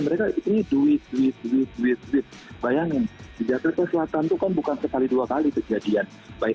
mereka itu duit duit duit bayangin di jakarta selatan bukan sekali dua kali kejadian baik